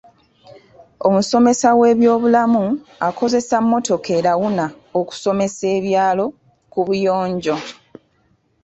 Omusomesa w'ebyobulamu akozesa mmotoka erawuna okusomesa ebyalo ku buyonjo.